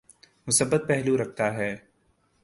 مثبت پہلو رکھتا ہے۔